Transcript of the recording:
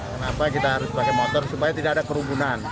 kenapa kita harus pakai motor supaya tidak ada kerumunan